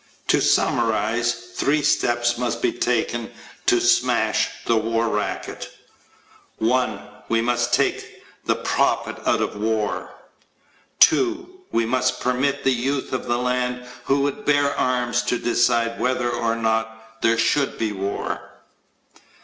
To summarize: Three steps must be taken to smash the war racket. 1. We must take the profit out of war. 2. We must permit the youth of the land who would bear arms to decide whether or not there should be war.